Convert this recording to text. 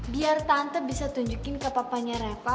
biar tante bisa tunjukin ke papanya reva